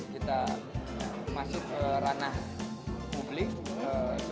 kita masuk ranah publik